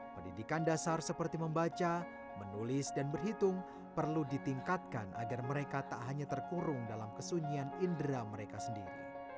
pendidikan dasar seperti membaca menulis dan berhitung perlu ditingkatkan agar mereka tak hanya terkurung dalam kesunyian indera mereka sendiri